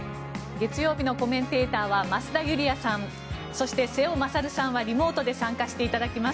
月曜日のコメンテーターは増田ユリヤさんそして瀬尾傑さんはリモートで参加していただきます。